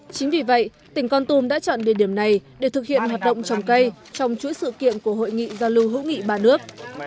chính vì vậy tỉnh con tum đã chọn địa điểm này để thực hiện hoạt động trồng cây trong chuỗi sự kiện của hội nghị giao lưu hữu nghị ba nước